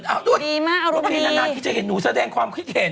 โอเคนานที่จะเห็นหนูแสดงความคิดเห็น